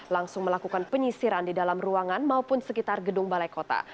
langsung melakukan penyisiran di dalam ruangan maupun sekitar gedung balai kota